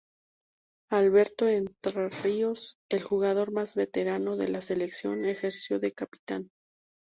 Alberto Entrerríos, el jugador más veterano de la selección, ejerció de capitán.